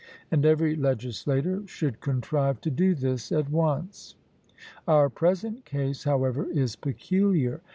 And every legislator should contrive to do this at once. Our present case, however, is peculiar.